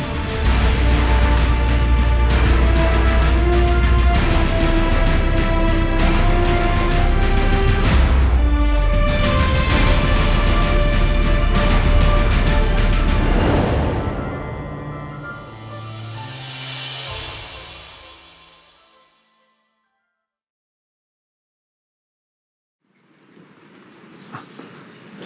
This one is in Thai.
รับเจ้าโจมตี